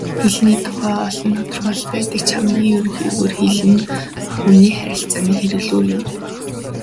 Хэлний тухай олон тодорхойлолт байдаг ч хамгийн ерөнхийгөөр хэл бол хүний харилцааны хэрэглүүр юм.